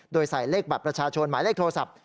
โดยใส่เลขบัตรประชาชนหมายเลขโทรศัพท์